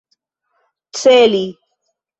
celi